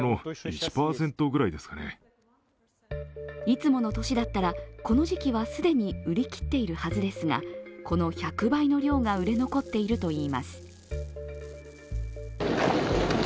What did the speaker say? いつもの年だったら、この時期は既に売り切っているはずですが、この１００倍の量が売れ残っているといいます。